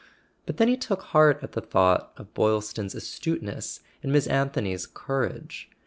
But then he took heart at the thought of Boylston's astuteness and Miss Anthony's courage.